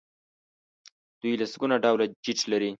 دوی لسګونه ډوله جیټ لري.